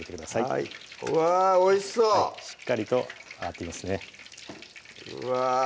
はいうわおいしそうしっかりと揚がっていますねうわ